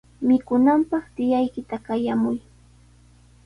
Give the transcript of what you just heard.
Mikunanpaq tiyaykita qayamuy.